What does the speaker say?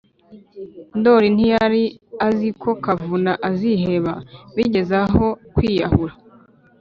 ndoli ntiyari azi ko kavuna aziheba bigeze aho kwiyahura.